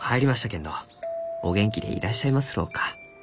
けんどお元気でいらっしゃいますろうか？